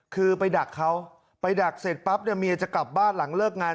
คือไปดักเขาไปดักเสร็จปั๊บเนี่ยเมียจะกลับบ้านหลังเลิกงาน